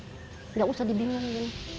nggak usah dibingungin